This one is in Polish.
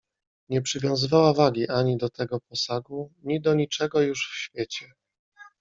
"Nie przywiązywała wagi ani do tego posagu, ni do niczego już w świecie."